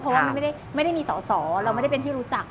เพราะว่ามันไม่ได้มีสอสอเราไม่ได้เป็นที่รู้จัก